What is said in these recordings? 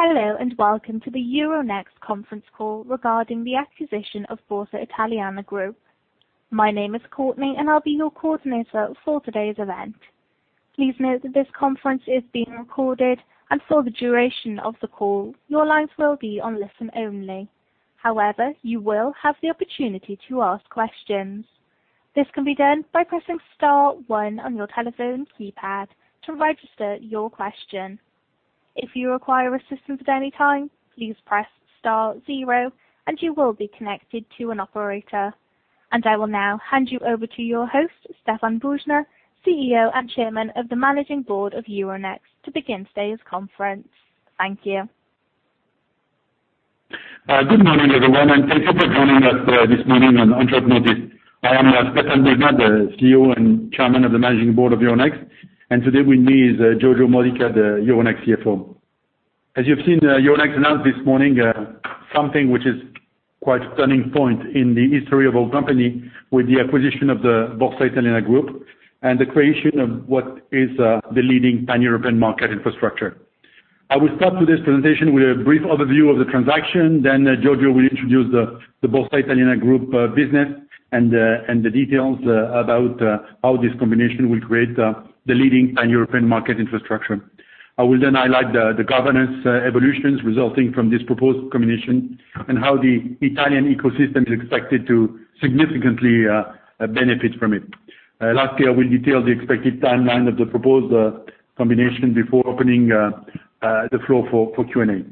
Hello, and welcome to the Euronext conference call regarding the acquisition of Borsa Italiana Group. My name is Courtney, and I'll be your coordinator for today's event. Please note that this conference is being recorded, and for the duration of the call, your lines will be on listen only. However, you will have the opportunity to ask questions. This can be done by pressing star one on your telephone keypad to register your question. If you require assistance at any time, please press star zero and you will be connected to an operator. I will now hand you over to your host, Stéphane Boujnah, CEO and Chairman of the Managing Board of Euronext, to begin today's conference. Thank you. Good morning, everyone. thank you for joining us this morning on short notice. I am Stéphane Boujnah, the CEO and Chairman of the Managing Board of Euronext. Today with me is Giorgio Modica, the Euronext CFO. As you've seen Euronext announce this morning, something which is quite a turning point in the history of our company with the acquisition of the Borsa Italiana Group and the creation of what is the leading Pan-European market infrastructure. I will start with this presentation with a brief overview of the transaction. Giorgio will introduce the Borsa Italiana Group business and the details about how this combination will create the leading Pan-European market infrastructure. I will highlight the governance evolutions resulting from this proposed combination and how the Italian ecosystem is expected to significantly benefit from it. Lastly, I will detail the expected timeline of the proposed combination before opening the floor for Q&A.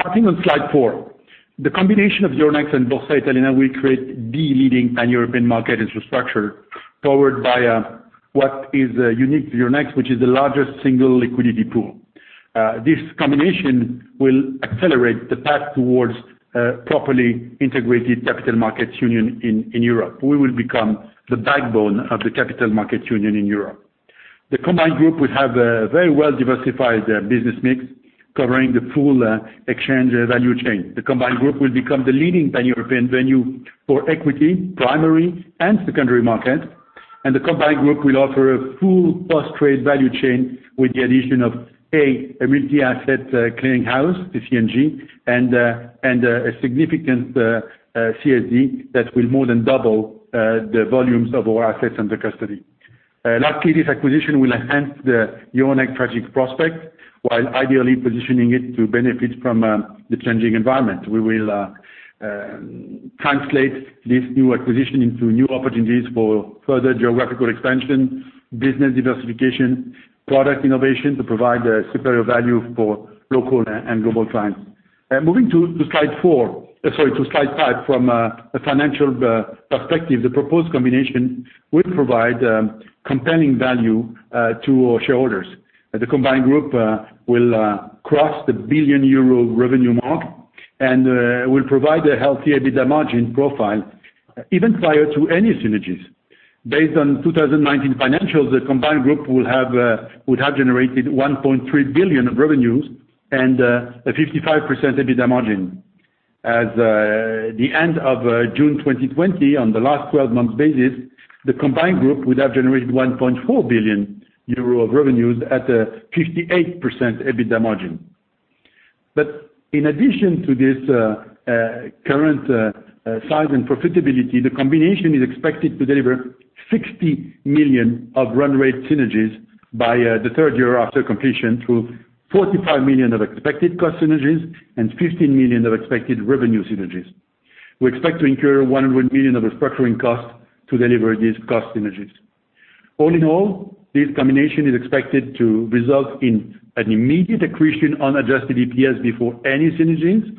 Starting on slide four. The combination of Euronext and Borsa Italiana will create the leading Pan-European market infrastructure powered by what is unique to Euronext, which is the largest single liquidity pool. This combination will accelerate the path towards a properly integrated capital markets union in Europe. We will become the backbone of the capital markets union in Europe. The combined group will have a very well-diversified business mix covering the full exchange value chain. The combined group will become the leading Pan-European venue for equity, primary, and secondary markets, and the combined group will offer a full post-trade value chain with the addition of, A, a multi-asset clearing house, the CC&G, and a significant CSD that will more than double the volumes of our assets under custody. Lastly, this acquisition will enhance the Euronext strategic prospect while ideally positioning it to benefit from the changing environment. We will translate this new acquisition into new opportunities for further geographical expansion, business diversification, product innovation to provide superior value for local and global clients. Moving to slide four, sorry, to slide five. From a financial perspective, the proposed combination will provide compelling value to our shareholders. The combined group will cross the billion EUR revenue mark and will provide a healthy EBITDA margin profile even prior to any synergies. Based on 2019 financials, the combined group would have generated 1.3 billion of revenues and a 55% EBITDA margin. As of the end of June 2020, on the last 12-month basis, the combined group would have generated 1.4 billion euro of revenues at a 58% EBITDA margin. In addition to this current size and profitability, the combination is expected to deliver 60 million of run rate synergies by the third year after completion, through 45 million of expected cost synergies and 15 million of expected revenue synergies. We expect to incur 100 million of restructuring costs to deliver these cost synergies. All in all, this combination is expected to result in an immediate accretion on adjusted EPS before any synergies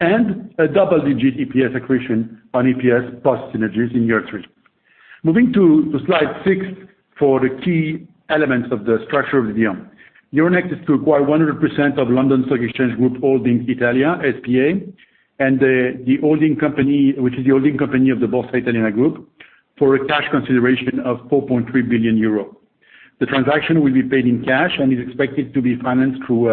and a double-digit EPS accretion on EPS post synergies in year three. Moving to slide six for the key elements of the structure of the deal. Euronext is to acquire 100% of London Stock Exchange Group Holdings Italia S.p.A, which is the holding company of the Borsa Italiana Group, for a cash consideration of 4.3 billion euro. The transaction will be paid in cash and is expected to be financed through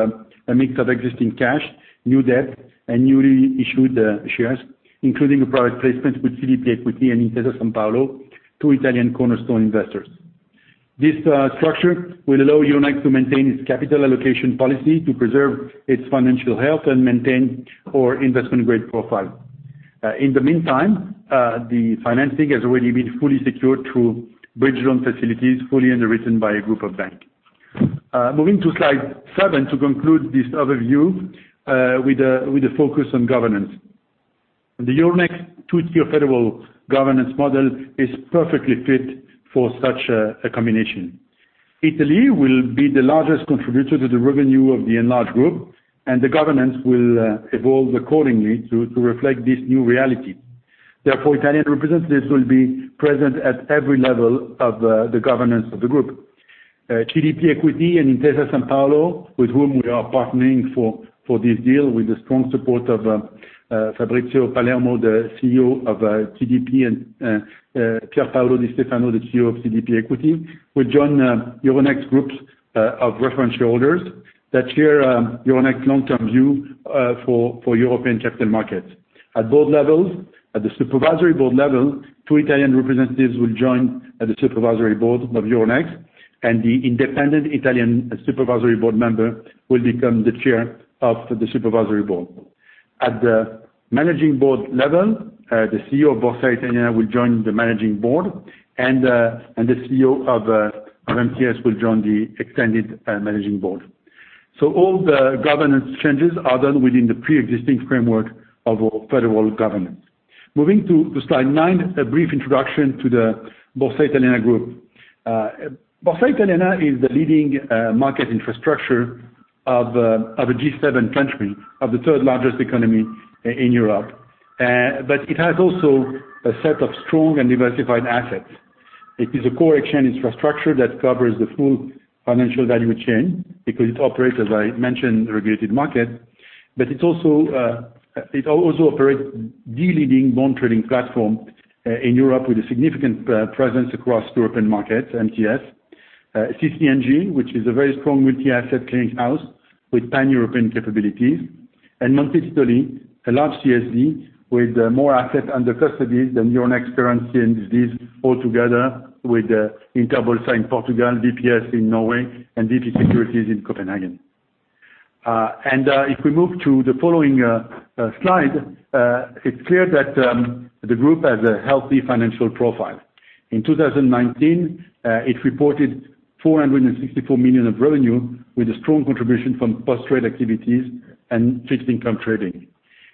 a mix of existing cash, new debt, and newly issued shares, including a private placement with CDP Equity and Intesa Sanpaolo, two Italian cornerstone investors. This structure will allow Euronext to maintain its capital allocation policy to preserve its financial health and maintain our investment-grade profile. In the meantime, the financing has already been fully secured through bridge loan facilities, fully underwritten by a group of banks. Moving to slide seven to conclude this overview with a focus on governance. The Euronext two-tier federal governance model is perfectly fit for such a combination. Italy will be the largest contributor to the revenue of the enlarged group, and the governance will evolve accordingly to reflect this new reality. Therefore, Italian representatives will be present at every level of the governance of the group. CDP Equity and Intesa Sanpaolo, with whom we are partnering for this deal with the strong support of Fabrizio Palermo, the CEO of CDP, and Pierpaolo Di Stefano, the CEO of CDP Equity, will join Euronext groups of reference shareholders that share Euronext long-term view for European capital markets. At board levels, at the supervisory board level, two Italian representatives will join the supervisory board of Euronext, and the independent Italian supervisory board member will become the chair of the supervisory board. At the managing board level, the CEO of Borsa Italiana will join the managing board, and the CEO of MTS will join the extended managing board. All the governance changes are done within the preexisting framework of our federal government. Moving to slide nine, a brief introduction to the Borsa Italiana group. Borsa Italiana is the leading market infrastructure of a G7 country, of the third largest economy in Europe. It has also a set of strong and diversified assets. It is a core exchange infrastructure that covers the full financial value chain because it operates, as I mentioned, a regulated market. It also operates the leading bond trading platform in Europe with a significant presence across European markets, MTS. CC&G, which is a very strong multi-asset clearing house with Pan-European capabilities. Monte Titoli, a large CSD with more assets under custody than Euronext current CSDs all together with Interbolsa in Portugal, VPS in Norway and VP Securities in Copenhagen. If we move to the following slide, it's clear that the group has a healthy financial profile. In 2019, it reported 464 million of revenue with a strong contribution from post-trade activities and fixed income trading.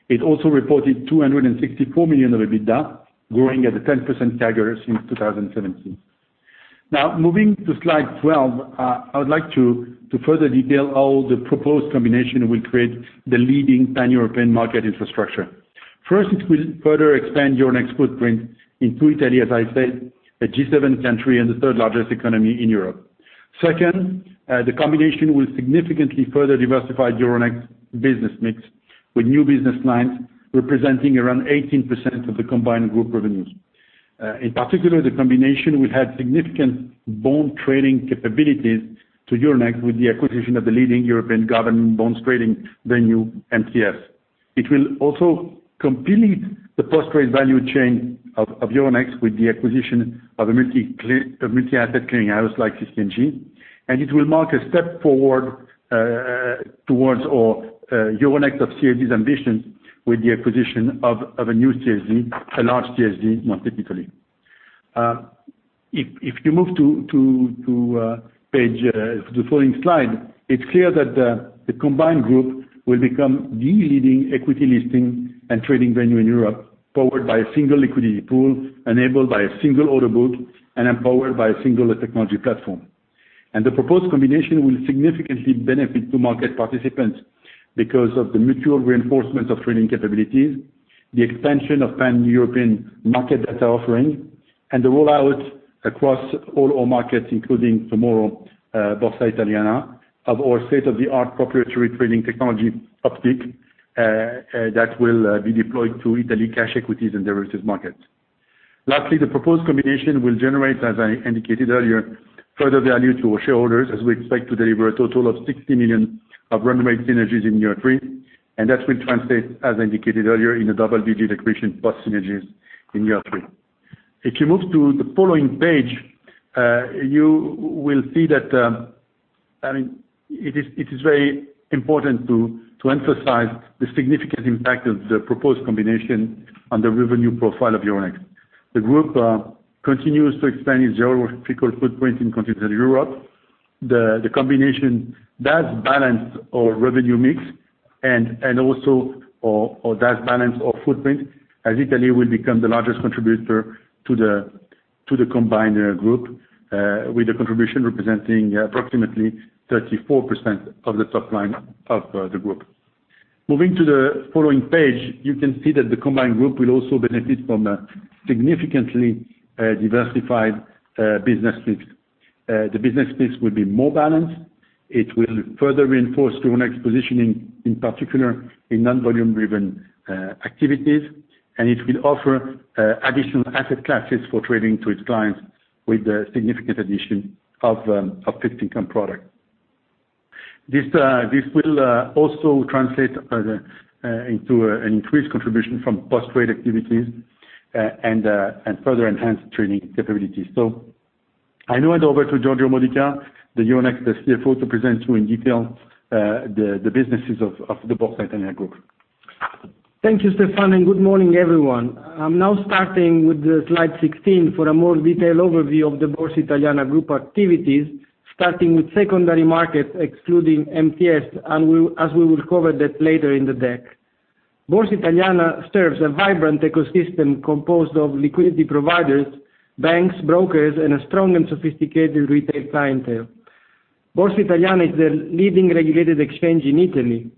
It also reported 264 million of EBITDA, growing at a 10% CAGR since 2017. Now moving to slide 12, I would like to further detail how the proposed combination will create the leading Pan-European market infrastructure. First, it will further expand Euronext footprint into Italy, as I said, a G7 country and the third largest economy in Europe. Second, the combination will significantly further diversify Euronext business mix with new business lines representing around 18% of the combined group revenues. In particular, the combination will add significant bond trading capabilities to Euronext with the acquisition of the leading European government bonds trading venue, MTS. It will also complete the post-trade value chain of Euronext with the acquisition of a multi-asset clearing house like CC&G, and it will mark a step forward towards Euronext of CSD's ambition with the acquisition of a new CSD, a large CSD, Monte Titoli. If you move to the following slide, it's clear that the combined group will become the leading equity listing and trading venue in Europe, powered by a single liquidity pool, enabled by a single order book, and empowered by a single technology platform. The proposed combination will significantly benefit to market participants because of the mutual reinforcement of trading capabilities, the expansion of Pan-European market data offering, and the rollout across all our markets, including tomorrow, Borsa Italiana, of our state-of-the-art proprietary trading technology, Optiq, that will be deployed to Italy cash equities and derivatives markets. Lastly, the proposed combination will generate, as I indicated earlier, further value to our shareholders as we expect to deliver a total of 60 million of run rate synergies in year three. That will translate, as indicated earlier, in a double-digit accretion post synergies in year three. If you move to the following page, you will see that it is very important to emphasize the significant impact of the proposed combination on the revenue profile of Euronext. The group continues to expand its geographical footprint in continental Europe. The combination does balance our revenue mix and also does balance our footprint, as Italy will become the largest contributor to the combined group, with the contribution representing approximately 34% of the top line of the group. Moving to the following page, you can see that the combined group will also benefit from a significantly diversified business mix. The business mix will be more balanced. It will further reinforce Euronext positioning, in particular in non-volume driven activities, and it will offer additional asset classes for trading to its clients with the significant addition of fixed income product. This will also translate into an increased contribution from post-trade activities and further enhance trading capabilities. I now hand over to Giorgio Modica, the Euronext CFO, to present to you in detail the businesses of the Borsa Italiana Group. Thank you, Stéphane, and good morning, everyone. I'm now starting with slide 16 for a more detailed overview of the Borsa Italiana Group activities, starting with secondary markets excluding MTS, and as we will cover that later in the deck. Borsa Italiana serves a vibrant ecosystem composed of liquidity providers, banks, brokers, and a strong and sophisticated retail clientele. Borsa Italiana is the leading regulated exchange in Italy.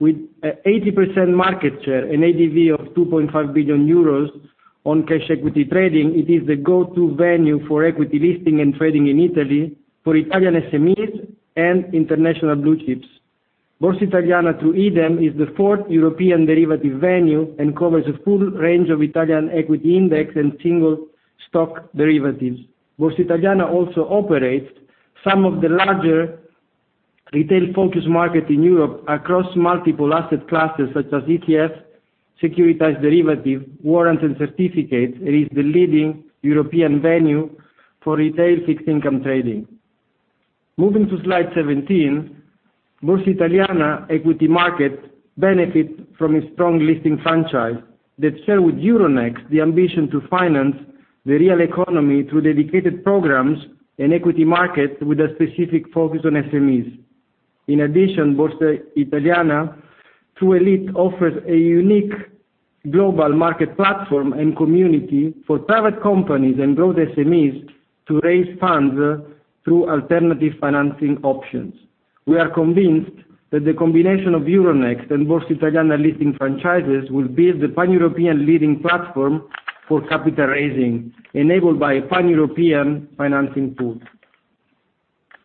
With 80% market share and ADV of 2.5 billion euros on cash equity trading, it is the go-to venue for equity listing and trading in Italy for Italian SMEs and international blue chips. Borsa Italiana through IDEM is the fourth European derivative venue and covers a full range of Italian equity index and single stock derivatives. Borsa Italiana also operates some of the larger retail-focused markets in Europe across multiple asset classes, such as ETFs, securitized derivatives, warrants, and certificates, and is the leading European venue for retail fixed income trading. Moving to slide 17, Borsa Italiana's equity market benefits from a strong listing franchise that shares with Euronext the ambition to finance the real economy through dedicated programs in equity markets with a specific focus on SMEs. In addition, Borsa Italiana, through ELITE, offers a unique global market platform and community for private companies and growth SMEs to raise funds through alternative financing options. We are convinced that the combination of Euronext and Borsa Italiana listing franchises will build the pan-European leading platform for capital raising, enabled by a pan-European financing pool.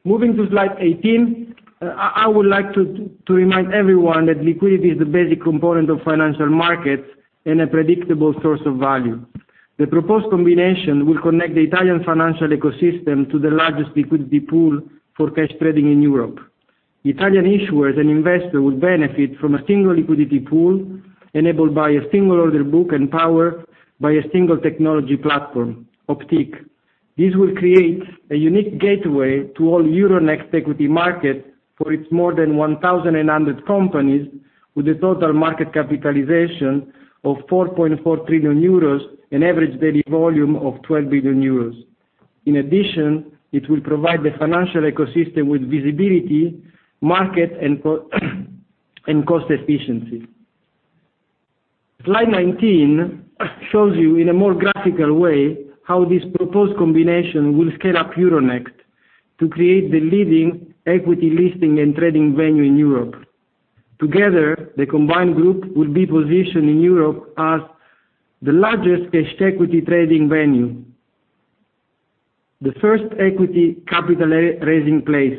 Moving to slide 18, I would like to remind everyone that liquidity is the basic component of financial markets and a predictable source of value. The proposed combination will connect the Italian financial ecosystem to the largest liquidity pool for cash trading in Europe. Italian issuers and investors will benefit from a single liquidity pool enabled by a single order book and powered by a single technology platform, Optiq. This will create a unique gateway to all Euronext equity markets for its more than 1,100 companies, with a total market capitalization of 4.4 trillion euros and an average daily volume of 12 billion euros. In addition, it will provide the financial ecosystem with visibility, market, and cost efficiency. Slide 19 shows you in a more graphical way how this proposed combination will scale up Euronext to create the leading equity listing and trading venue in Europe. Together, the combined group will be positioned in Europe as the largest cash equity trading venue, the first equity capital raising place,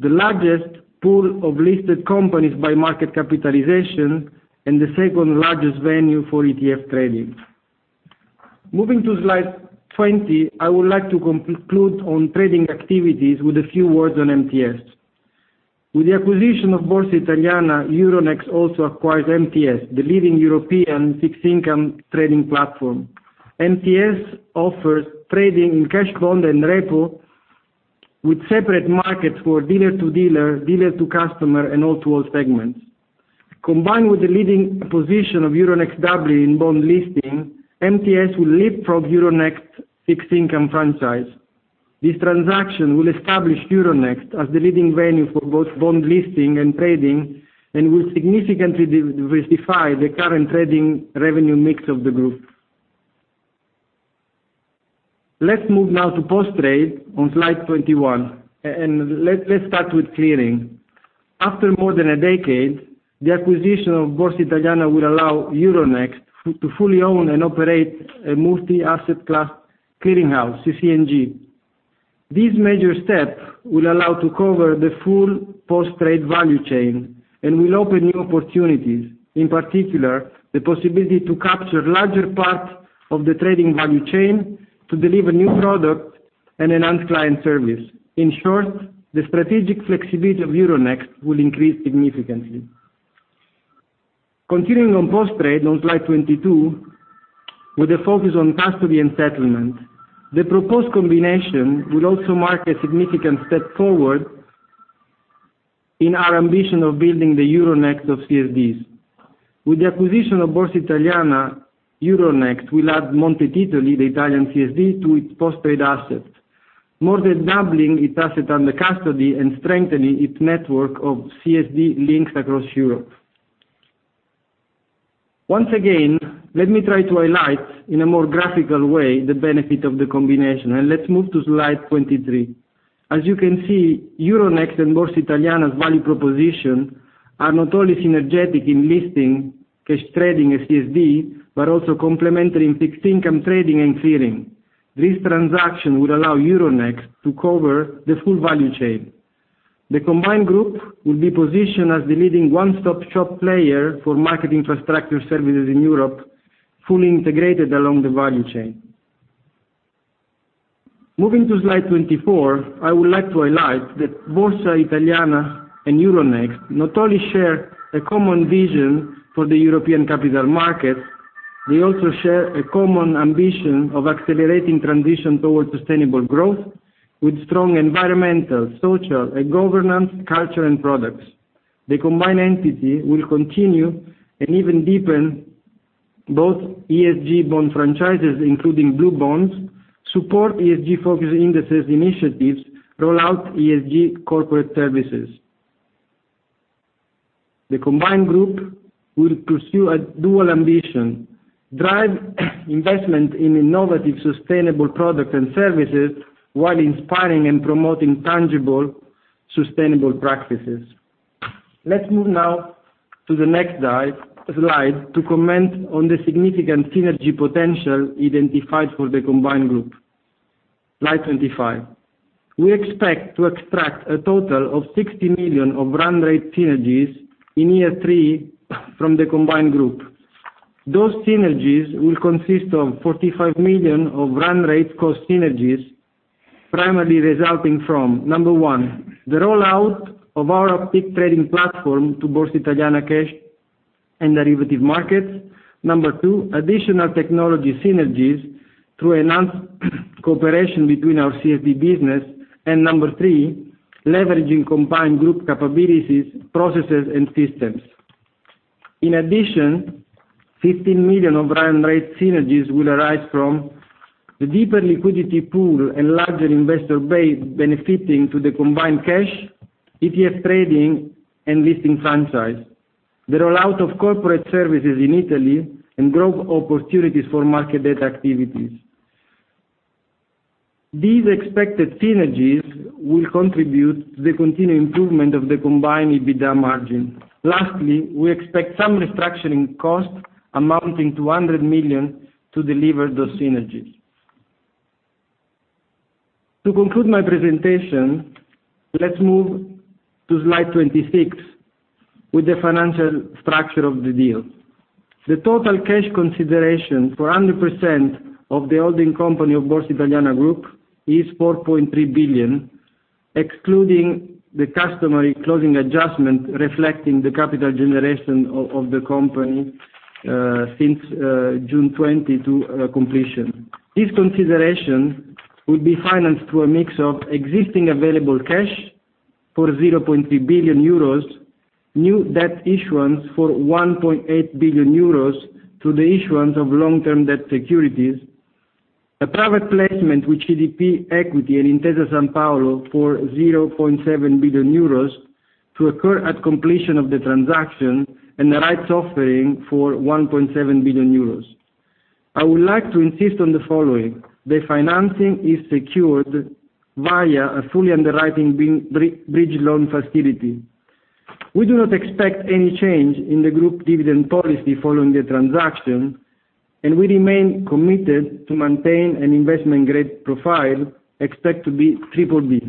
the largest pool of listed companies by market capitalization, and the second-largest venue for ETF trading. Moving to slide 20, I would like to conclude on trading activities with a few words on MTS. With the acquisition of Borsa Italiana, Euronext also acquires MTS, the leading European fixed income trading platform. MTS offers trading in cash bond and repo with separate markets for dealer-to-dealer, dealer-to-customer, and all-to-all segments. Combined with the leading position of Euronext Dublin bond listing, MTS will lift up Euronext fixed income franchise. This transaction will establish Euronext as the leading venue for both bond listing and trading and will significantly diversify the current trading revenue mix of the group. Let's move now to post-trade on slide 21, and let's start with clearing. After more than a decade, the acquisition of Borsa Italiana will allow Euronext to fully own and operate a multi-asset class clearing house, CC&G. This major step will allow to cover the full post-trade value chain and will open new opportunities, in particular, the possibility to capture larger parts of the trading value chain to deliver new product and enhance client service. In short, the strategic flexibility of Euronext will increase significantly. Continuing on post-trade on slide 22, with a focus on custody and settlement, the proposed combination will also mark a significant step forward in our ambition of building the Euronext of CSDs. With the acquisition of Borsa Italiana, Euronext will add Monte Titoli, the Italian CSD, to its post-trade assets, more than doubling its asset under custody and strengthening its network of CSD links across Europe. Once again, let me try to highlight, in a more graphical way, the benefit of the combination. Let's move to slide 23. As you can see, Euronext and Borsa Italiana's value proposition are not only synergetic in listing, cash trading, and CSD, but also complementary in fixed income trading and clearing. This transaction would allow Euronext to cover the full value chain. The combined group will be positioned as the leading one-stop shop player for market infrastructure services in Europe, fully integrated along the value chain. Moving to slide 24, I would like to highlight that Borsa Italiana and Euronext not only share a common vision for the European capital markets, they also share a common ambition of accelerating transition towards sustainable growth with strong environmental, social, and governance, culture and products. The combined entity will continue and even deepen both ESG bond franchises, including blue bonds, support ESG-focused indices initiatives, roll out ESG corporate services. The combined group will pursue a dual ambition, drive investment in innovative, sustainable products and services while inspiring and promoting tangible, sustainable practices. Let's move now to the next slide to comment on the significant synergy potential identified for the combined group. Slide 25. We expect to extract a total of 60 million of run-rate synergies in year three from the combined group. Those synergies will consist of 45 million of run rate cost synergies, primarily resulting from, number one, the rollout of our Optiq trading platform to Borsa Italiana cash and derivative markets. Number two, additional technology synergies through enhanced cooperation between our CSD business. Number three, leveraging combined group capabilities, processes, and systems. In addition, 15 million of run rate synergies will arise from the deeper liquidity pool and larger investor base benefiting to the combined cash, ETF trading, and listing franchise. The rollout of corporate services in Italy and growth opportunities for market data activities. These expected synergies will contribute to the continued improvement of the combined EBITDA margin. Lastly, we expect some restructuring costs amounting to 100 million to deliver those synergies. To conclude my presentation, let's move to slide 26 with the financial structure of the deal. The total cash consideration for 100% of the holding company of Borsa Italiana Group is 4.3 billion, excluding the customary closing adjustment reflecting the capital generation of the company since June 2022 to completion. This consideration will be financed through a mix of existing available cash for 0.3 billion euros, new debt issuance for 1.8 billion euros through the issuance of long-term debt securities. A private placement with CDP Equity and Intesa Sanpaolo for 0.7 billion euros to occur at completion of the transaction and the rights offering for 1.7 billion euros. I would like to insist on the following. The financing is secured via a fully underwriting bridge loan facility. We do not expect any change in the group dividend policy following the transaction, and we remain committed to maintain an investment-grade profile expected to be triple B.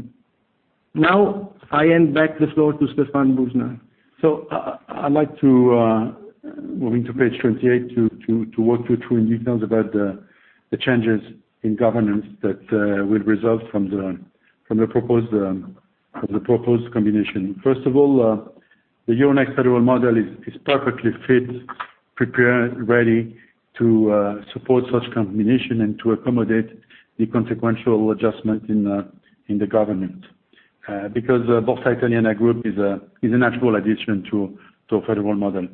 Now I hand back the floor to Stéphane Boujnah. I'd like to, moving to page 28, to walk you through in detail about the changes in governance that will result from the proposed combination. First of all, the Euronext federal model is perfectly fit, prepared, ready to support such a combination and to accommodate the consequential adjustment in the government because the Borsa Italiana Group is a natural addition to a federal model.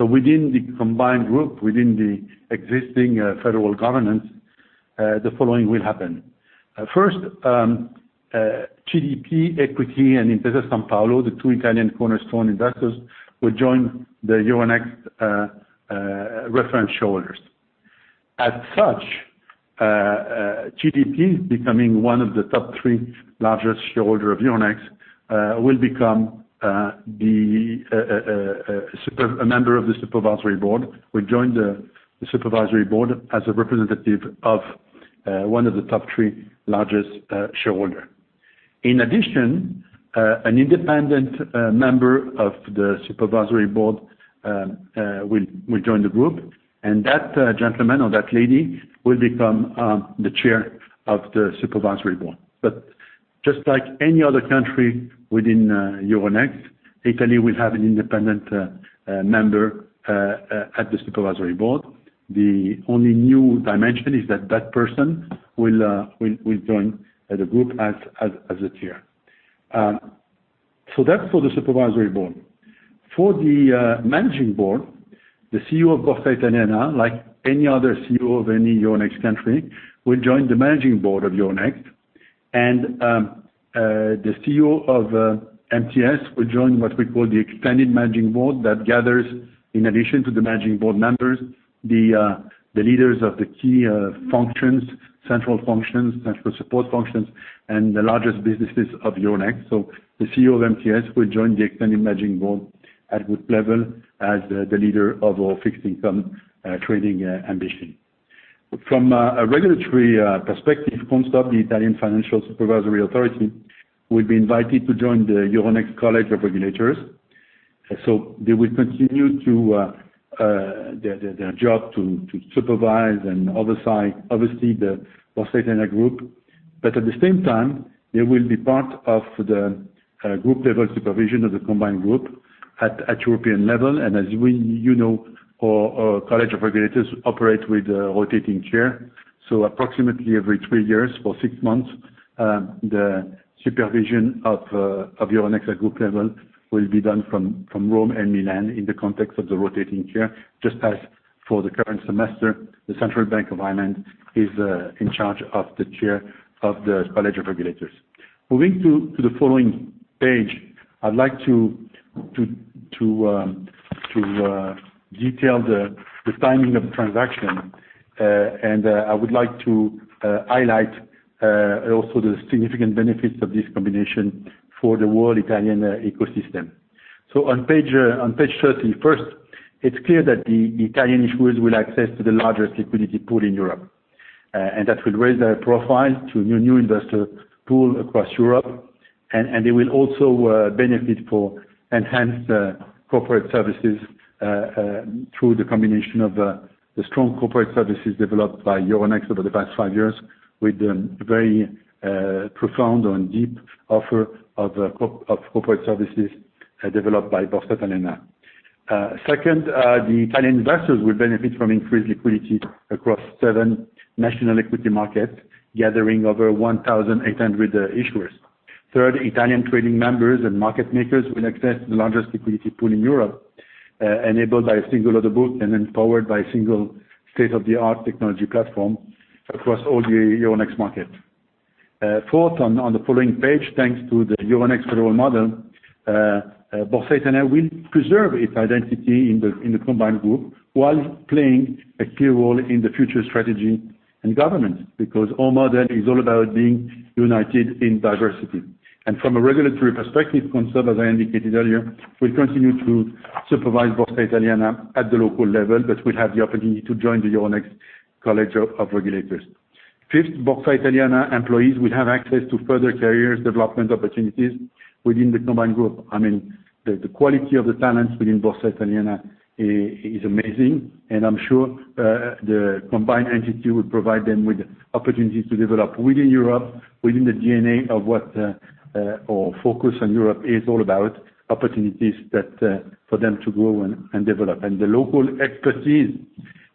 Within the combined group, within the existing federal governance, the following will happen. First, CDP Equity and Intesa Sanpaolo, the two Italian cornerstone investors, will join the Euronext reference shareholders. As such, CDP is becoming one of the top three largest shareholders of Euronext, will become a member of the supervisory board, will join the supervisory board as a representative of one of the top three largest shareholders. In addition, an independent member of the supervisory board will join the group. That gentleman or that lady will become the chair of the supervisory board. Just like any other country within Euronext, Italy will have an independent member at the supervisory board. The only new dimension is that that person will join the group as a chair. That's for the supervisory board. For the managing board, the CEO of Borsa Italiana, like any other CEO of any Euronext country, will join the managing board of Euronext. The CEO of MTS will join what we call the expanded managing board that gathers, in addition to the managing board members, the leaders of the key functions, central functions, central support functions, and the largest businesses of Euronext. The CEO of MTS will join the expanded managing board at group level as the leader of our fixed-income trading ambition. From a regulatory perspective, CONSOB, the Italian Financial Supervisory Authority, will be invited to join the Euronext College of Regulators. They will continue their job to supervise and oversee, obviously, the Borsa Italiana Group. At the same time, they will be part of the group-level supervision of the combined group at the European level. As you know, our College of Regulators operate with a rotating chair. Approximately every three years for six months, the supervision of Euronext at the group level will be done from Rome and Milan in the context of the rotating chair, just as for the current semester, the Central Bank of Ireland is in charge of the chair of the College of Regulators. Moving to the following page, I'd like to detail the timing of the transaction. I would like to highlight also the significant benefits of this combination for the whole Italian ecosystem. On page 31st, it's clear that the Italian issuers will access to the largest liquidity pool in Europe. That will raise their profile to a new investor pool across Europe. They will also benefit for enhanced corporate services through the combination of the strong corporate services developed by Euronext over the past five years with very profound and deep offer of corporate services developed by Borsa Italiana. Second, the Italian investors will benefit from increased liquidity across seven national equity markets, gathering over 1,800 issuers. Third, Italian trading members and market makers will access the largest liquidity pool in Europe, enabled by a single order book and empowered by a single state-of-the-art technology platform across all the Euronext markets. Fourth, on the following page, thanks to the Euronext federal model, Borsa Italiana will preserve its identity in the combined group whilst playing a key role in the future strategy and government, because our model is all about being united in diversity. From a regulatory perspective concern, as I indicated earlier, we continue to supervise Borsa Italiana at the local level, but we have the opportunity to join the Euronext College of Regulators. Fifth, Borsa Italiana employees will have access to further career development opportunities within the combined group. The quality of the talents within Borsa Italiana is amazing. I'm sure the combined entity will provide them with opportunities to develop within Europe, within the DNA of what our focus on Europe is all about, opportunities for them to grow and develop. The local expertise,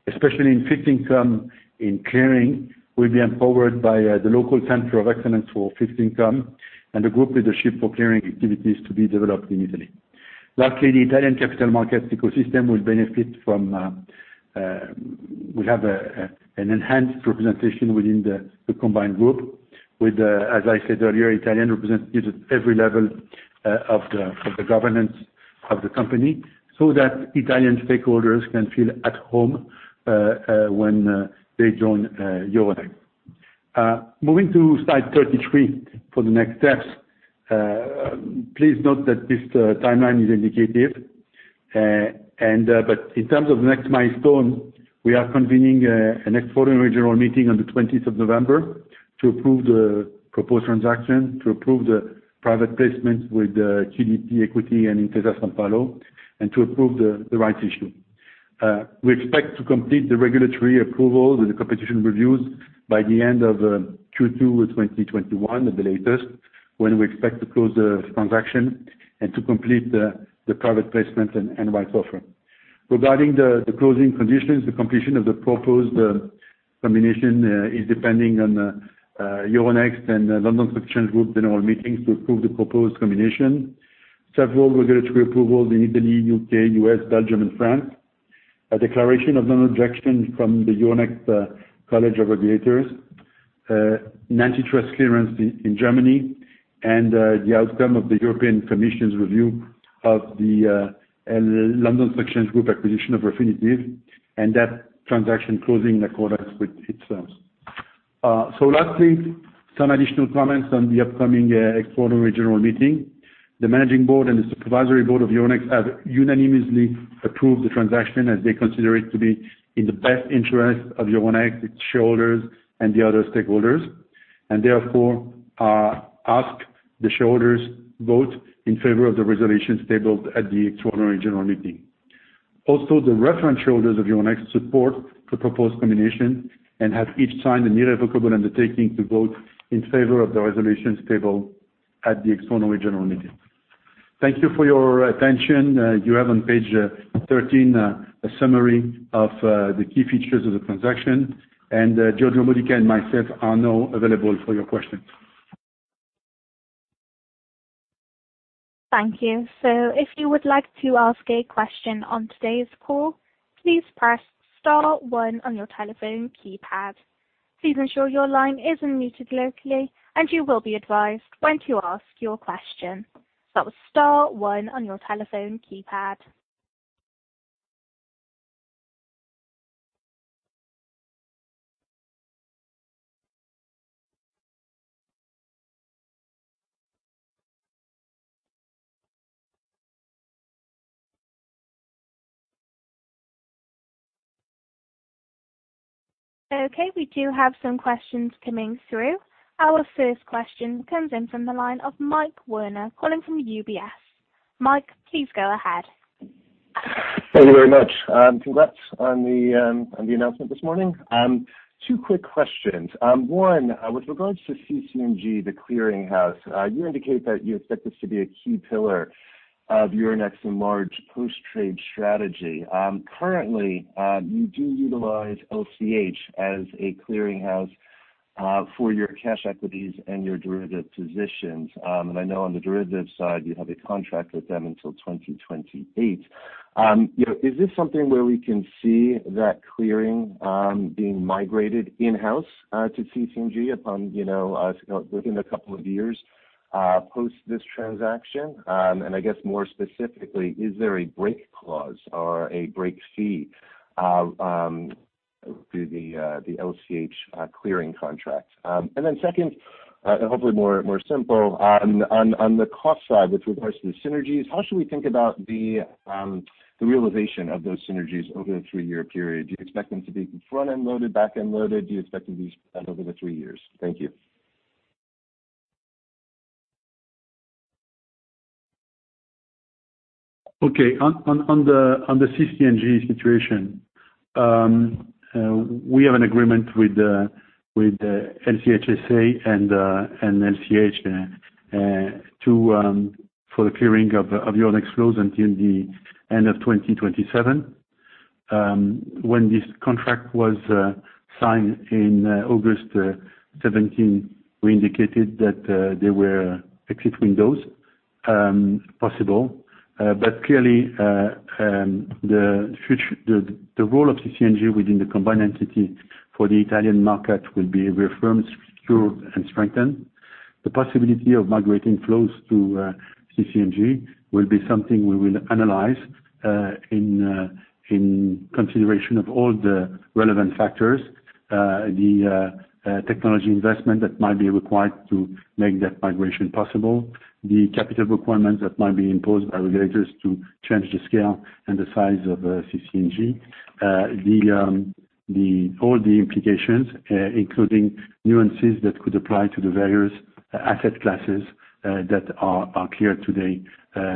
especially in fixed income in clearing, will be empowered by the local center of excellence for fixed income and the group leadership for clearing activities to be developed in Italy. Lastly, the Italian capital markets ecosystem will have an enhanced representation within the combined group with, as I said earlier, Italian representatives at every level of the governance of the company, so that Italian stakeholders can feel at home when they join Euronext. Moving to slide 33 for the next steps. Please note that this timeline is indicative. In terms of next milestone, we are convening an extraordinary general meeting on the 20th of November to approve the proposed transaction, to approve the private placement with CDP Equity and Intesa Sanpaolo, and to approve the rights issue. We expect to complete the regulatory approvals and the competition reviews by the end of Q2 2021 at the latest, when we expect to close the transaction and to complete the private placement and rights offer. Regarding the closing conditions, the completion of the proposed combination is depending on Euronext and the London Stock Exchange Group general meetings to approve the proposed combination. Several regulatory approvals in Italy, U.K., U.S., Belgium, and France. A declaration of non-objection from the Euronext College of Regulators, an antitrust clearance in Germany, and the outcome of the European Commission's review of the London Stock Exchange Group's acquisition of Refinitiv and that transaction closing in accordance with its terms. Lastly, some additional comments on the upcoming extraordinary general meeting. The managing board and the supervisory board of Euronext have unanimously approved the transaction as they consider it to be in the best interest of Euronext, its shareholders, and the other stakeholders and, therefore, ask the shareholders vote in favor of the resolutions tabled at the extraordinary general meeting. Also, the referenced shareholders of Euronext support the proposed combination and have each signed an irrevocable undertaking to vote in favor of the resolutions tabled at the extraordinary general meeting. Thank you for your attention. You have on page 13 a summary of the key features of the transaction. Giorgio Modica and myself are now available for your questions. Thank you. If you would like to ask a question on today's call, please press star one on your telephone keypad. Please ensure your line is unmuted locally, and you will be advised when to ask your question. That was star one on your telephone keypad. Okay, we do have some questions coming through. Our first question comes in from the line of Mike Werner, calling from UBS. Mike, please go ahead. Thank you very much. Congrats on the announcement this morning. Two quick questions. One, with regard to CC&G, the clearinghouse, you indicate that you expect this to be a key pillar of Euronext's enlarged post-trade strategy. Currently, you do utilize LCH as a clearing house for your cash equities and your derivative positions. I know on the derivative side, you have a contract with them until 2028. Is this something where we can see that clearing being migrated in-house to CC&G within a couple of years post this transaction? I guess more specifically, is there a break clause or a break fee through the LCH clearing contract? Second, and hopefully more simple, on the cost side, with regards to the synergies, how should we think about the realization of those synergies over the three-year period? Do you expect them to be front-end loaded, back-end loaded? Do you expect them to be spread over the three years? Thank you. On the CC&G situation, we have an agreement with LCH SA and LCH for the clearing of Euronext flows until the end of 2027. When this contract was signed in August 2017, we indicated that there were exit windows possible. Clearly, the role of CC&G within the combined entity for the Italian market will be reaffirmed, secured, and strengthened. The possibility of migrating flows to CC&G will be something we will analyze in consideration of all the relevant factors, the technology investment that might be required to make that migration possible, the capital requirements that might be imposed by regulators to change the scale and the size of CC&G. All the implications, including nuances that could apply to the various asset classes that are clear today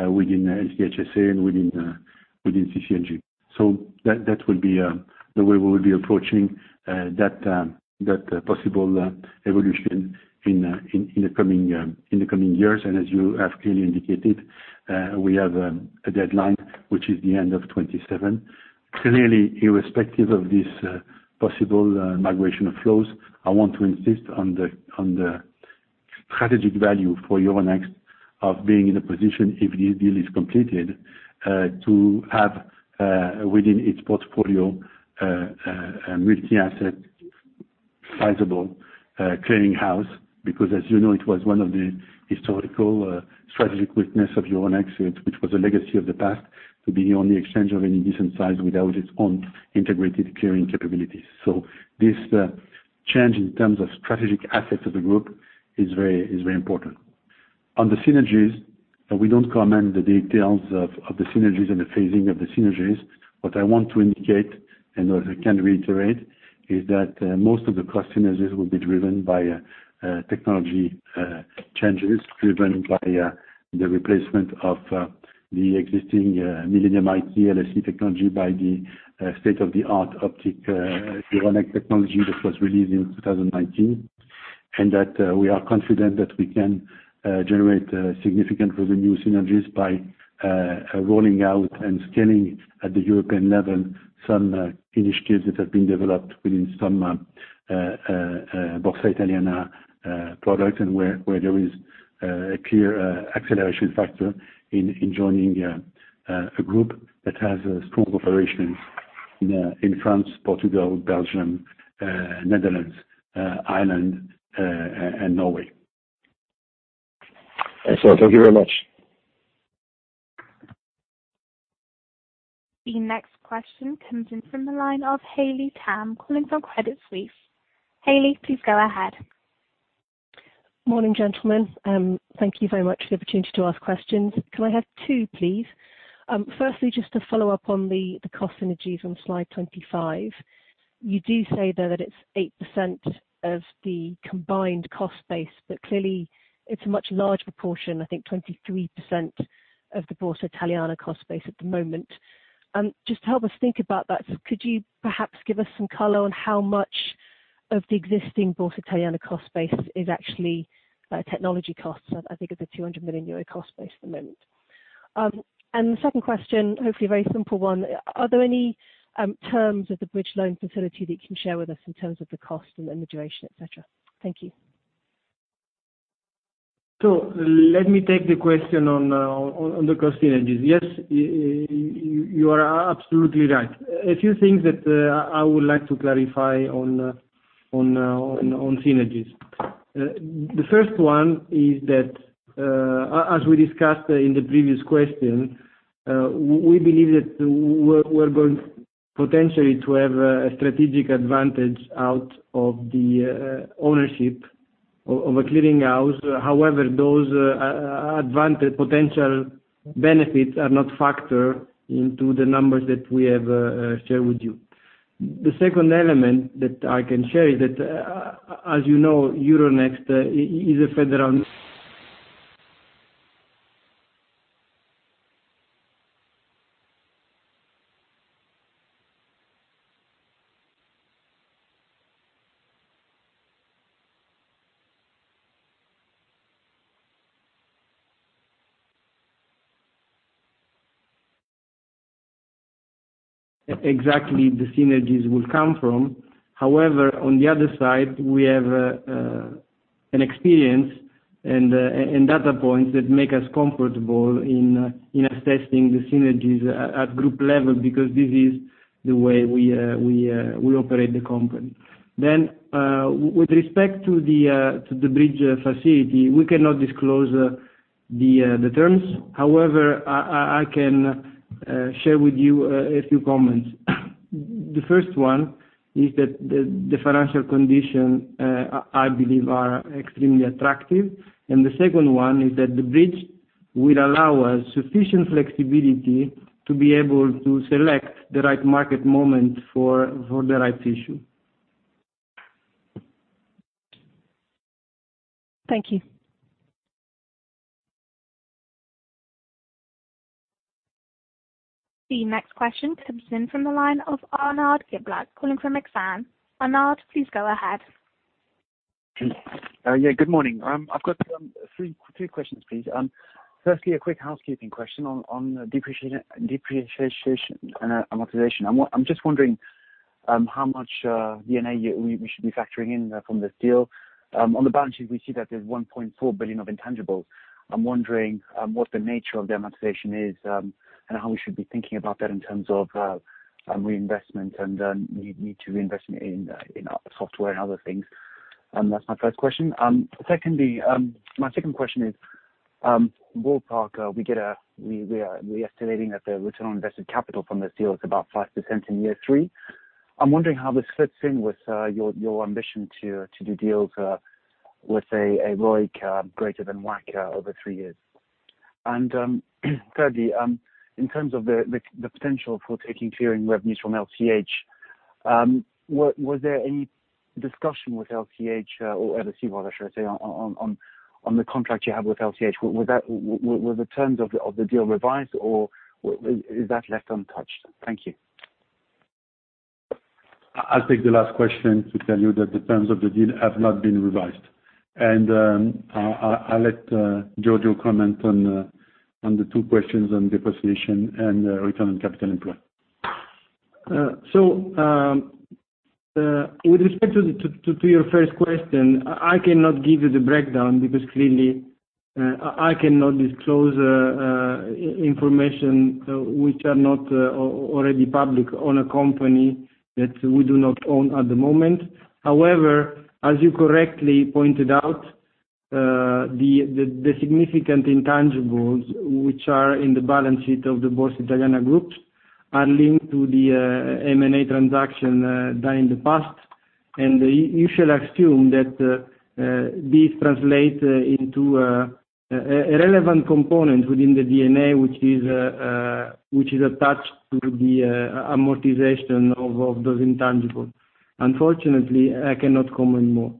within LCH SA and within CC&G. That will be the way we will be approaching that possible evolution in the coming years. As you have clearly indicated, we have a deadline, which is the end of 2027. Clearly, irrespective of this possible migration of flows, I want to insist on the strategic value for Euronext of being in a position, if the deal is completed, to have within its portfolio a multi-asset sizable clearing house. As you know, it was one of the historical strategic weakness of Euronext, which was a legacy of the past, to be the only exchange of any decent size without its own integrated clearing capabilities. This change in terms of strategic assets of the group is very important. On the synergies, we don't comment the details of the synergies and the phasing of the synergies. What I want to indicate, and what I can reiterate, is that most of the cost synergies will be driven by technology changes, driven by the replacement of the existing MillenniumIT LSE technology by the state-of-the-art Optiq Euronext technology that was released in 2019. We are confident that we can generate significant revenue synergies by rolling out and scaling at the European level some initiatives that have been developed within some Borsa Italiana products and where there is a clear acceleration factor in joining a group that has strong operations in France, Portugal, Belgium, Netherlands, Ireland, and Norway. Thank you very much. The next question comes in from the line of Haley Tam calling from Credit Suisse. Haley, please go ahead. Morning, gentlemen. Thank you very much for the opportunity to ask questions. Can I have two, please? Firstly, just to follow up on the cost synergies on slide 25. You do say there that it's 8% of the combined cost base, but clearly it's a much larger proportion, I think 23% of the Borsa Italiana cost base at the moment. Just to help us think about that, could you perhaps give us some color on how much of the existing Borsa Italiana cost base is actually technology costs? I think it's a 200 million euro cost base at the moment. The second question, hopefully a very simple one. Are there any terms of the bridge loan facility that you can share with us in terms of the cost and the duration, et cetera? Thank you. Let me take the question on the cost synergies. Yes, you are absolutely right. A few things that I would like to clarify on synergies. The first one is that, as we discussed in the previous question, we believe that we're going potentially to have a strategic advantage out of the ownership of a clearing house. Those advantage potential benefits are not factored into the numbers that we have shared with you. The second element that I can share is that, as you know, exactly the synergies will come from. On the other side, we have an experience and data points that make us comfortable in assessing the synergies at group level, because this is the way we operate the company. With respect to the bridge facility, we cannot disclose the terms. I can share with you a few comments. The first one is that the financial condition, I believe, are extremely attractive, and the second one is that the bridge will allow us sufficient flexibility to be able to select the right market moment for the rights issue. Thank you. The next question comes in from the line of Arnaud Giblat calling from Exane. Arnaud, please go ahead. Yeah. Good morning. I've got three questions, please. Firstly, a quick housekeeping question on depreciation and amortization. I'm just wondering how much D&A we should be factoring in from this deal. On the balance sheet, we see that there's 1.4 billion of intangibles. I'm wondering what the nature of the amortization is and how we should be thinking about that in terms of reinvestment, and need to reinvest in software and other things. That's my first question. Secondly, my second question is, ballpark, we are estimating that the return on invested capital from this deal is about 5% in year three. I'm wondering how this fits in with your ambition to do deals with a ROIC greater than WACC over three years. Thirdly, in terms of the potential for taking clearing revenues from LCH, was there any discussion with LCH or with CVA, should I say, on the contract you have with LCH? Were the terms of the deal revised, or is that left untouched? Thank you. I'll take the last question to tell you that the terms of the deal have not been revised. I'll let Giorgio comment on the two questions on depreciation and return on capital employed. With respect to your first question, I cannot give you the breakdown because clearly, I cannot disclose information which are not already public on a company that we do not own at the moment. However, as you correctly pointed out, the significant intangibles, which are in the balance sheet of the Borsa Italiana Group, are linked to the M&A transaction done in the past. You shall assume that this translates into irrelevant components within the D&A, which is attached to the amortization of those intangibles. Unfortunately, I cannot comment more.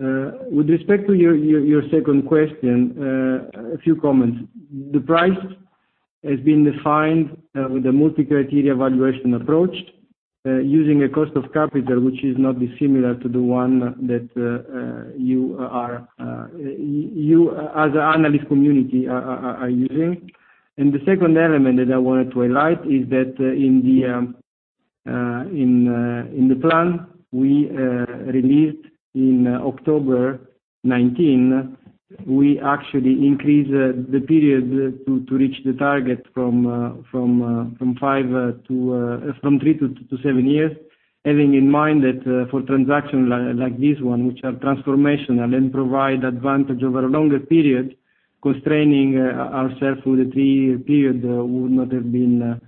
With respect to your second question, a few comments. The price has been defined with a multi-criteria valuation approach using a cost of capital, which is not dissimilar to the one that you as an analyst community are using. The second element that I wanted to highlight is that in the plan we released in October 2019, we actually increased the period to reach the target from three to seven years, having in mind that for transactions like this one, which are transformational and provide advantage over a longer period, constraining ourselves with a three-year period would not have been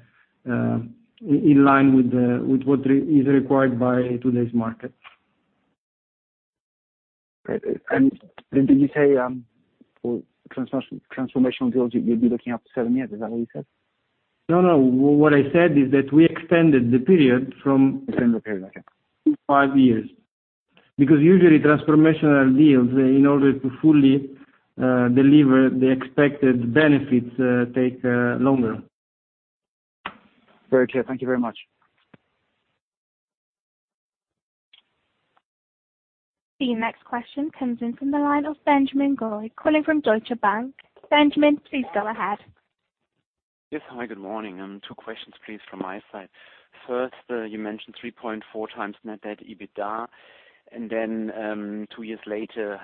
in line with what is required by today's market. Great. Did you say for transformational deals, you'd be looking up to seven years? Is that what you said? No, what I said is that we extended the period. Extended the period. Okay. Five years, because usually transformational deals, in order to fully deliver the expected benefits, take longer. Very clear. Thank you very much. The next question comes in from the line of Benjamin Goy, calling from Deutsche Bank. Benjamin, please go ahead. Yes. Hi, good morning. two questions please, from my side. First, you mentioned 3.4x net debt EBITDA, then two years later,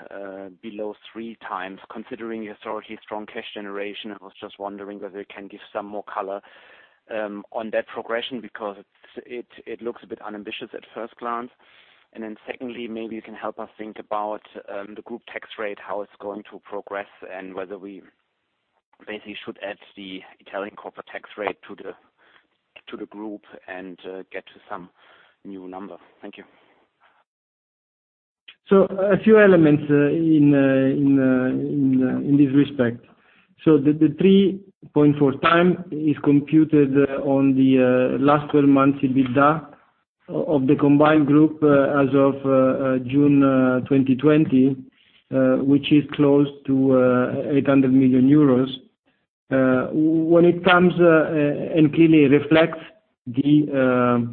below 3x. Considering your already strong cash generation, I was just wondering whether you can give some more color on that progression, because it looks a bit unambitious at first glance. Secondly, maybe you can help us think about the group tax rate, how it's going to progress, and whether we basically should add the Italian corporate tax rate to the group and get to some new number. Thank you. A few elements in this respect. The 3.4 times is computed on the last 12 months' EBITDA of the combined group as of June 2020, which is close to 800 million euros and clearly reflects the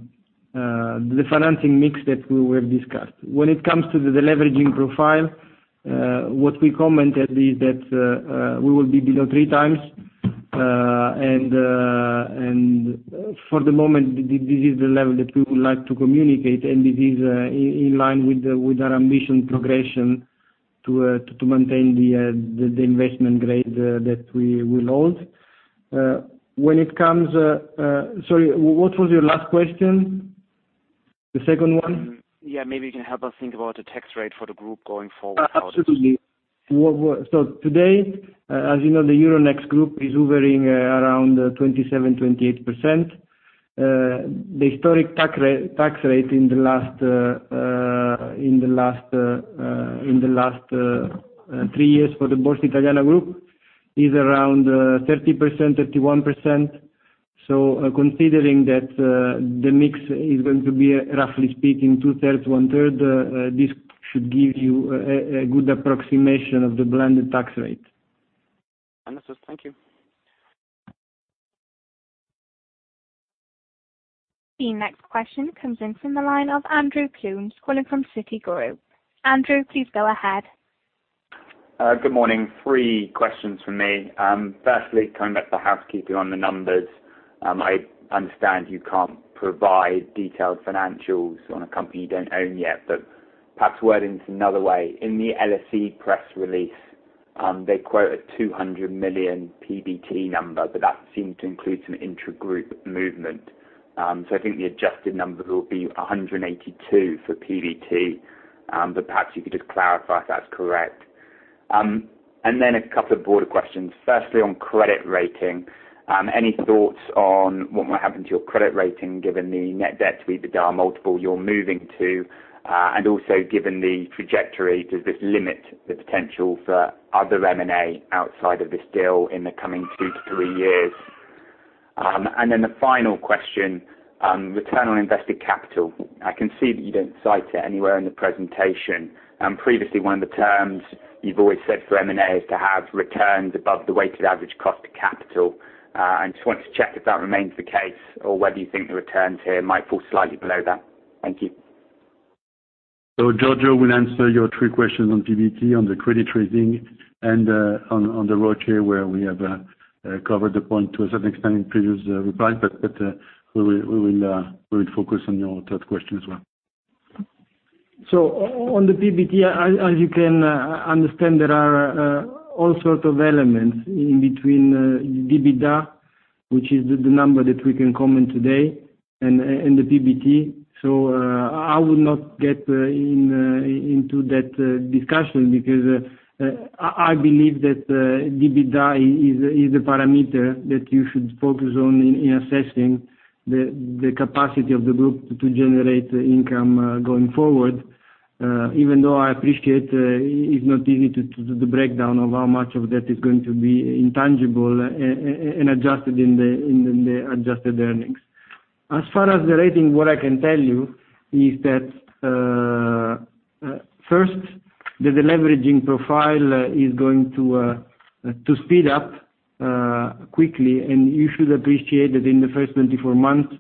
financing mix that we have discussed. When it comes to the deleveraging profile, what we commented is that we will be below three times. For the moment, this is the level that we would like to communicate, and this is in line with our ambition progression to maintain the investment grade that we will hold. Sorry, what was your last question? The second one? Yeah, maybe you can help us think about the tax rate for the group going forward. Absolutely. Today, as you know, the Euronext Group is hovering around 27%, 28%. The historic tax rate in the last three years for the Borsa Italiana Group is around 30%, 31%. Considering that the mix is going to be, roughly speaking, two-thirds, one-third, this should give you a good approximation of the blended tax rate. Understood. Thank you. The next question comes in from the line of Andrew Coombs calling from Citigroup. Andrew, please go ahead. Good morning. Three questions from me. Coming back to the housekeeping on the numbers. I understand you can't provide detailed financials on a company you don't own yet, perhaps wording it another way. In the LSE press release, they quote a 200 million PBT number that seemed to include some intra-group movement. I think the adjusted number will be 182 for PBT. Perhaps you could just clarify if that's correct. A couple of broader questions. On credit rating, any thoughts on what might happen to your credit rating given the net debt to EBITDA multiple you're moving to? Given the trajectory, does this limit the potential for other M&A outside of this deal in the coming two to three years? The final question, return on invested capital. I can see that you don't cite it anywhere in the presentation. Previously, one of the terms you've always said for M&A is to have returns above the weighted average cost of capital. I just wanted to check if that remains the case or whether you think the returns here might fall slightly below that. Thank you. Giorgio will answer your three questions on PBT, on the credit rating, and on the ROIC, where we have covered the point to a certain extent in previous replies, but we will focus on your third question as well. On the PBT, as you can understand, there are all sorts of elements in between EBITDA, which is the number that we can comment today, and the PBT. I will not get into that discussion because I believe that EBITDA is the parameter that you should focus on in assessing the capacity of the group to generate income going forward, even though I appreciate it's not easy to do the breakdown of how much of that is going to be intangible and adjusted in the adjusted earnings. As far as the rating, what I can tell you is that, first, the deleveraging profile is going to speed up quickly, and you should appreciate that in the first 24 months,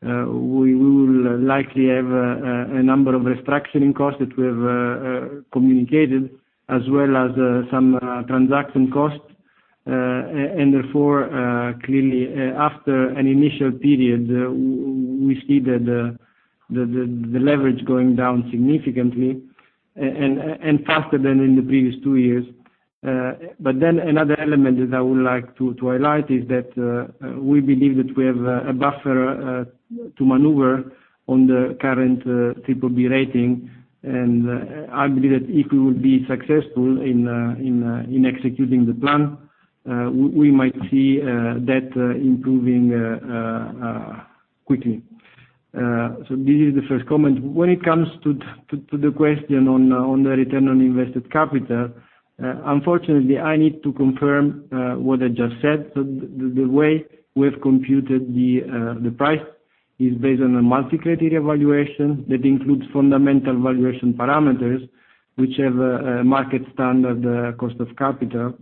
we will likely have a number of restructuring costs that we have communicated, as well as some transaction costs. Clearly, after an initial period, we see the leverage going down significantly and faster than in the previous two years. Another element that I would like to highlight is that we believe that we have a buffer to maneuver on the current triple-B rating. I believe that if we will be successful in executing the plan, we might see that improving quickly. This is the first comment. When it comes to the question on the return on invested capital, unfortunately, I need to confirm what I just said. The way we have computed the price is based on a multi-criteria valuation that includes fundamental valuation parameters, which have a market standard cost of capital.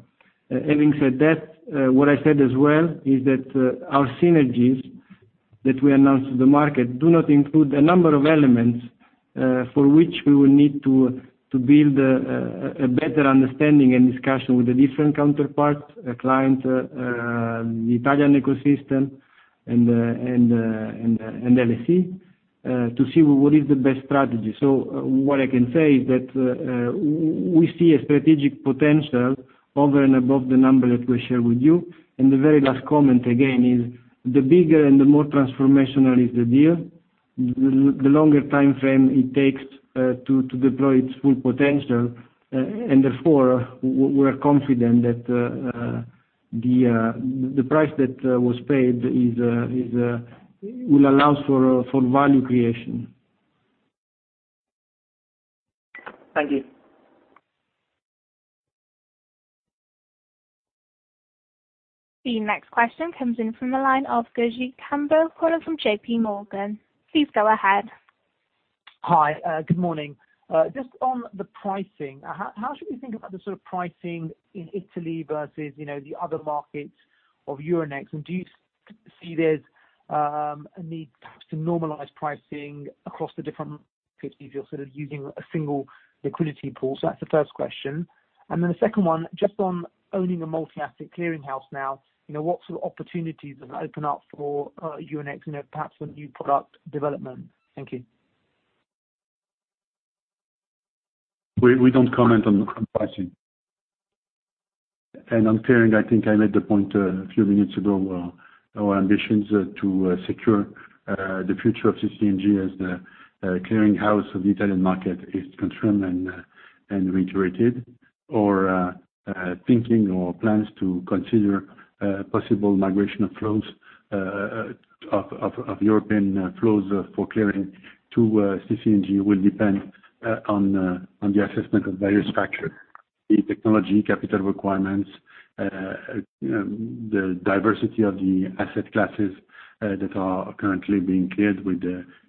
Having said that, what I said as well is that our synergies that we announced to the market do not include a number of elements for which we will need to build a better understanding and discussion with the different counterparts, clients, the Italian ecosystem, and LSE to see what is the best strategy. What I can say is that we see a strategic potential over and above the number that we share with you. The very last comment, again, is the bigger and the more transformational is the deal, the longer timeframe it takes to deploy its full potential, and therefore, we're confident that the price that was paid will allow for value creation. Thank you. The next question comes in from the line of Gurjit Kambo calling from JP Morgan. Please go ahead. Hi. Good morning. Just on the pricing, how should we think about the sort of pricing in Italy versus the other markets of Euronext? Do you see there's a need perhaps to normalize pricing across the different markets if you're sort of using a single liquidity pool? That's the first question. Then the second one, just on owning a multi-asset clearinghouse now, what sort of opportunities have opened up for Euronext, perhaps on new product development? Thank you. We don't comment on pricing. On clearing, I think I made the point a few minutes ago. Our ambitions to secure the future of CC&G as the clearinghouse of the Italian market is confirmed and reiterated. Our thinking or plans to consider possible migration of European flows for clearing to CC&G will depend on the assessment of various factors: the technology capital requirements, the diversity of the asset classes that are currently being cleared with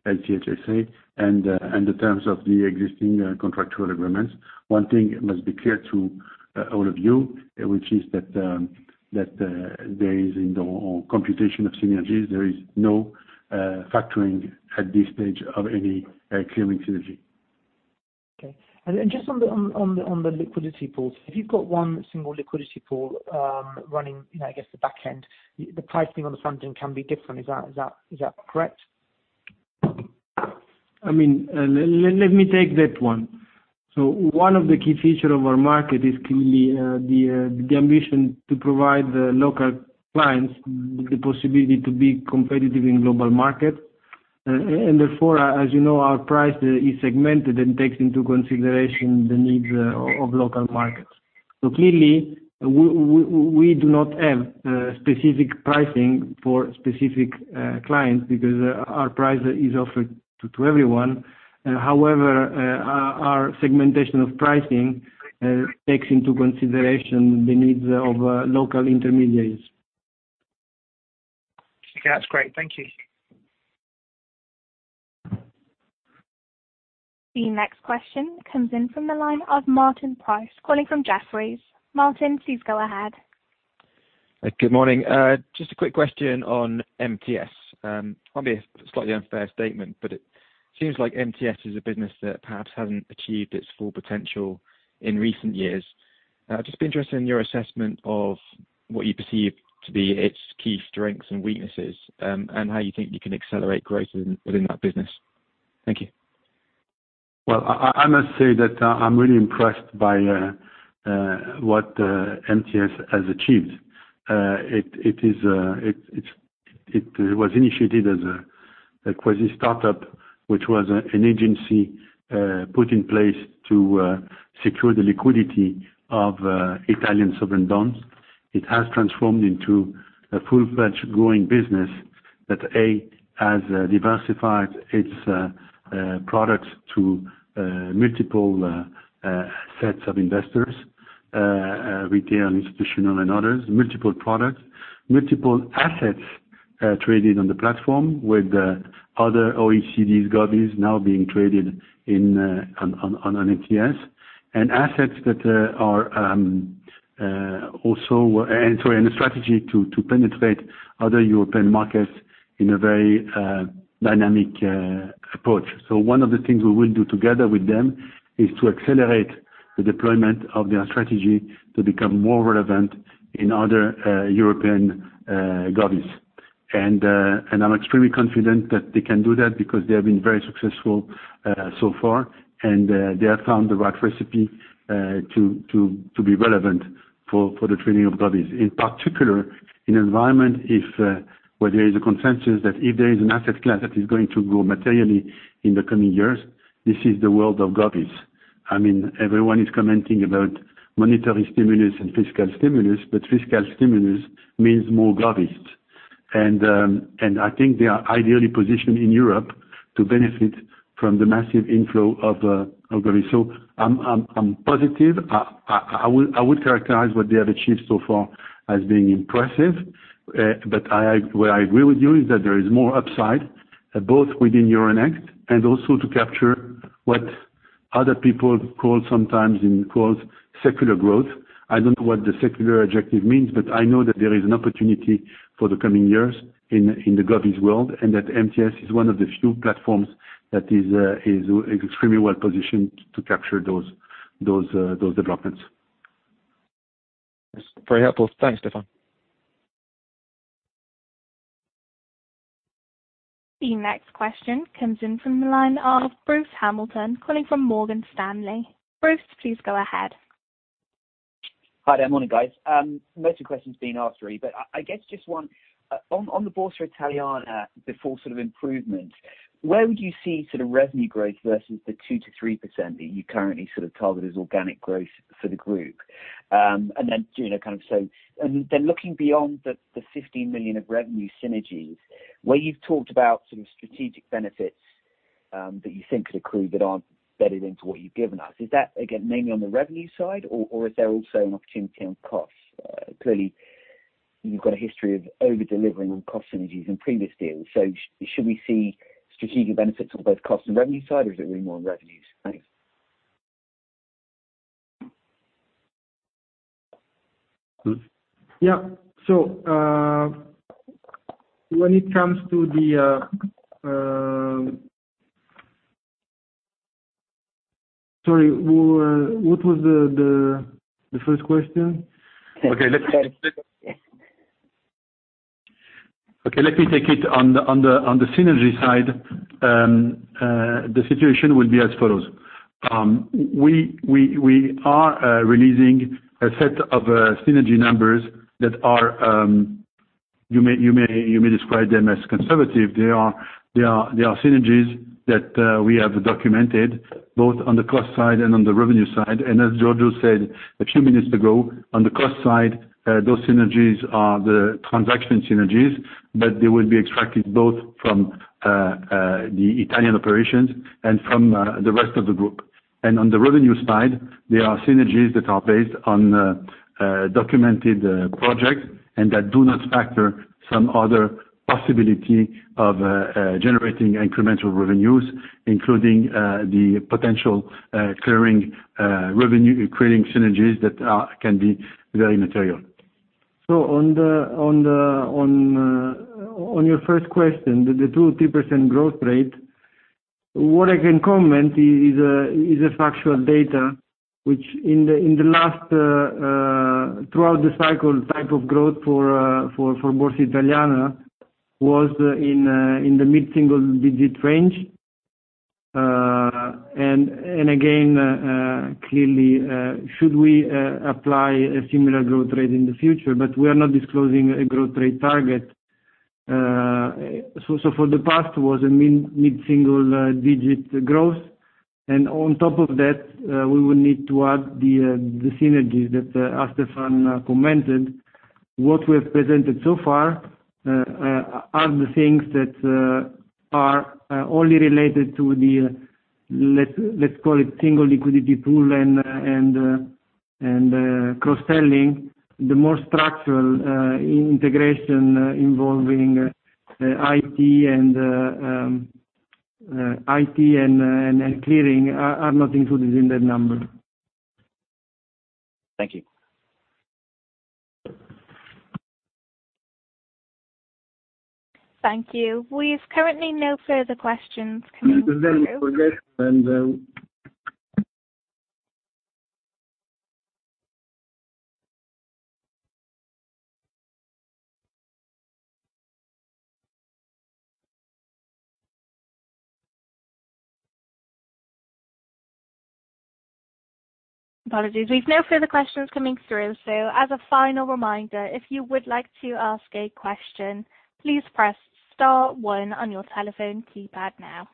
LCH SA, and the terms of the existing contractual agreements. One thing must be clear to all of you, which is that in the computation of synergies, there is no factoring at this stage of any clearing synergy. Okay. Just on the liquidity pools, if you've got one single liquidity pool running, I guess the back end, the pricing on the front end can be different. Is that correct? Let me take that one. One of the key features of our market is clearly the ambition to provide local clients the possibility to be competitive in global market. Therefore, as you know, our price is segmented and takes into consideration the needs of local markets. Clearly, we do not have specific pricing for specific clients because our price is offered to everyone. However, our segmentation of pricing takes into consideration the needs of local intermediaries. Okay. That's great. Thank you. The next question comes in from the line of Martin Price, calling from Jefferies. Martin, please go ahead. Good morning. Just a quick question on MTS. Probably a slightly unfair statement, it seems like MTS is a business that perhaps hasn't achieved its full potential in recent years. Just be interested in your assessment of what you perceive to be its key strengths and weaknesses, how you think you can accelerate growth within that business. Thank you. Well, I must say that I'm really impressed by what MTS has achieved. It was initiated as a quasi-startup, which was an agency put in place to secure the liquidity of Italian sovereign bonds. It has transformed into a full-fledged growing business that, A, has diversified its products to multiple sets of investors, retail, institutional, and others. Multiple products, multiple assets traded on the platform with other OECD govies now being traded on MTS, and a strategy to penetrate other European markets in a very dynamic approach. One of the things we will do together with them is to accelerate the deployment of their strategy to become more relevant in other European governments. I'm extremely confident that they can do that because they have been very successful so far, and they have found the right recipe to be relevant for the trading of govies. In particular, in an environment where there is a consensus that if there is an asset class that is going to grow materially in the coming years, this is the world of govies. Everyone is commenting about monetary stimulus and fiscal stimulus, fiscal stimulus means more govies. I think they are ideally positioned in Europe to benefit from the massive inflow of govies. I'm positive. I would characterize what they have achieved so far as being impressive. Where I agree with you is that there is more upside, both within Euronext and also to capture what other people call sometimes secular growth. I don't know what the secular objective means, but I know that there is an opportunity for the coming years in the govies world, and that MTS is one of the few platforms that is extremely well-positioned to capture those developments. That's very helpful. Thanks, Stéphane. The next question comes in from the line of Bruce Hamilton, calling from Morgan Stanley. Bruce, please go ahead. Hi there. Morning, guys. Most of the questions have been asked already, but I guess just one. On the Borsa Italiana, before sort of improvement, where would you see sort of revenue growth versus the 2%-3% that you currently sort of target as organic growth for the group? Looking beyond the 15 million of revenue synergies, where you've talked about sort of strategic benefits that you think could accrue that aren't bedded into what you've given us, is that again mainly on the revenue side, or is there also an opportunity on costs? Clearly, you've got a history of over-delivering on cost synergies in previous deals. Should we see strategic benefits on both cost and revenue sides, or is it really more on revenues? Thanks. Giorgio? Yeah. Sorry, what was the first question? Okay, let me take it. On the synergy side, the situation will be as follows. We are releasing a set of synergy numbers that are, you may describe them as conservative. They are synergies that we have documented both on the cost side and on the revenue side. As Giorgio said a few minutes ago, on the cost side, those synergies are the transaction synergies, but they will be extracted both from the Italian operations and from the rest of the group. On the revenue side, there are synergies that are based on documented projects and that do not factor some other possibility of generating incremental revenues, including the potential clearing revenue, creating synergies that can be very material. On your first question, the 2%-3% growth rate, what I can comment is a factual data, which throughout the cycle, type of growth for Borsa Italiana was in the mid-single digit range. Again, clearly, should we apply a similar growth rate in the future, but we are not disclosing a growth rate target. For the past was a mid-single-digit growth. On top of that, we would need to add the synergies that Stéphane commented. What we have presented so far are the things that are only related to the, let's call it single liquidity pool and cross-selling. The more structural integration involving IT and clearing are not included in that number. Thank you. Thank you. We have currently no further questions coming through. Very good. Apologies. We've no further questions coming through. As a final reminder, if you would like to ask a question, please press star one on your telephone keypad now.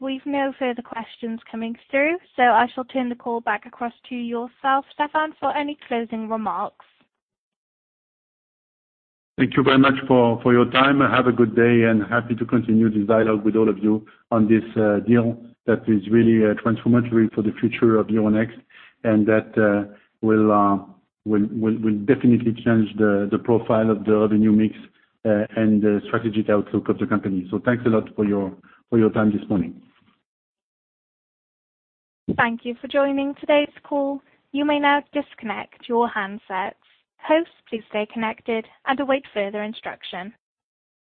We've no further questions coming through, so I shall turn the call back across to yourself, Stéphane, for any closing remarks. Thank you very much for your time. Have a good day, and happy to continue this dialogue with all of you on this deal that is really transformative for the future of Euronext and that will definitely change the profile of the revenue mix and the strategic outlook of the company. Thanks a lot for your time this morning. Thank you for joining today's call. You may now disconnect your handsets. Hosts, please stay connected and await further instruction.